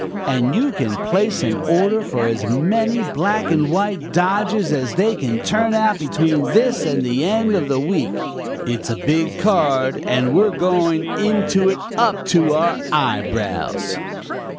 And you can place an order for as many black and white dodgers as they can turn out between this and the end of the week. It's a big card and we're going into it up to our eyebrows.'